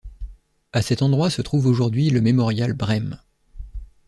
À cet endroit se trouve aujourd’hui le Mémorial Brehm.